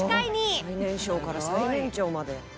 「最年少から最年長まで」